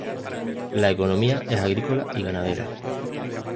La economía es agrícola y ganadera.